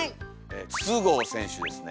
筒香選手ですね。